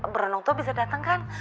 berondong tua bisa dateng kan